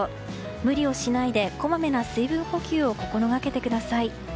無理をしないで、こまめな水分補給を心がけてください。